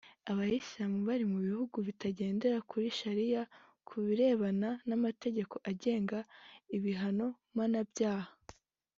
Abayislamu bari mu bihugu bitagendera kuri Shariya ku birebana n’amategeko agenga ibihano mpanabyaha